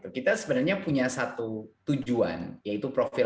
kita sebenarnya punya satu tujuan yaitu profil